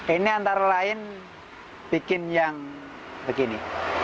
ini antara lain bikin yang begini